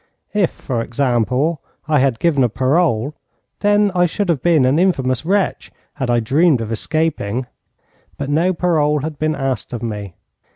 If, for example, I had given a parole, then I should have been an infamous wretch had I dreamed of escaping. But no parole had been asked of me.